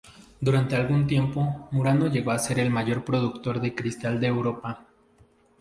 Durante algún tiempo, Murano llegó a ser el mayor productor de cristal de Europa.